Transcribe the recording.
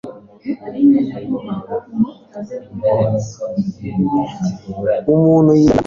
Umuntu yigira imigambi ku mutima